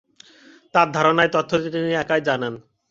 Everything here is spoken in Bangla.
তাঁর ধারণা, এই তথ্যটি তিনি একাই জানেন।